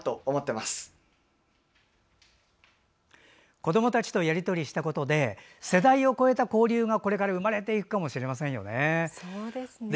子どもたちとやり取りしたことで世代を越えた交流がこれから生まれていくかもしれませんね。